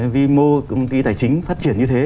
vi mô công ty tài chính phát triển như thế